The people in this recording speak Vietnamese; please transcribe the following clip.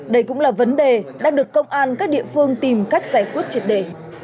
đây cũng là vấn đề đang được công an các địa phương tìm cách giải quyết triệt đề